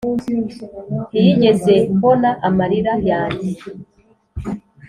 ntiyigeze mbona amarira yanjye.